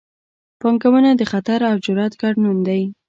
پانګونه د خطر او جرات ګډ نوم دی.